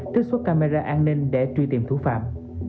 trích xuất camera an ninh để truy tìm thủ phạm